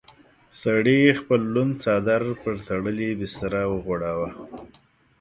سړي خپل لوند څادر پر تړلې بستره وغوړاوه.